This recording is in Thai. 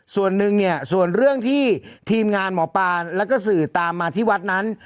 ส่วนหนึ่งเนี่ยส่วนเรื่องที่ทีมงานหมอปลาแล้วก็สื่อตามมาที่วัดนั้น